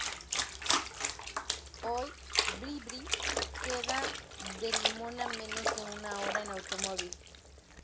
Hoy Bribri queda de Limón a menos de una hora en automóvil.